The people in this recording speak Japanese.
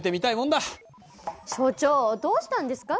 所長どうしたんですか？